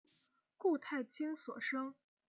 顾太清所生。